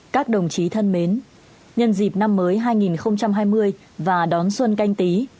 các đồng chí thân mến nhân dịp năm mới hai nghìn hai mươi và đón xuân canh tí